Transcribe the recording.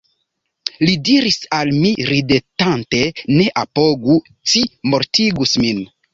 Li diris al mi ridetante: «Ne apogu, ci mortigus min».